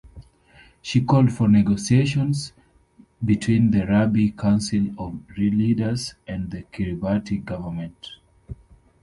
She called for negotiations between the Rabi Council of Leaders and the Kiribati government.